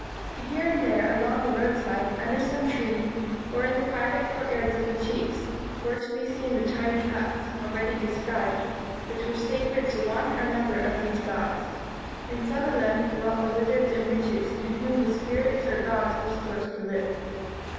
Here and there, along the roadside, under some tree, or in the private courtyards of the chiefs were to be seen the tiny huts, already described, which were sacred to one or another of these gods. In some of them dwelt the wizards and witches, in whom the spirits or gods were supposed to live.